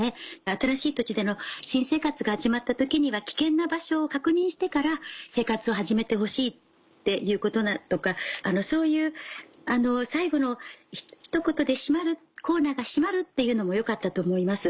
新しい土地での新生活が始まった時には危険な場所を確認してから生活を始めてほしいっていうことだとかそういう最後のひと言でコーナーが締まるっていうのもよかったと思います。